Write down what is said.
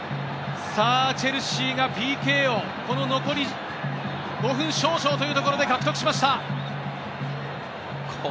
チェルシーがＰＫをこの残り５分少々というところで獲得しました。